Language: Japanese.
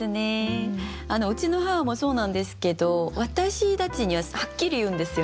うちの母もそうなんですけど私たちにははっきり言うんですよね。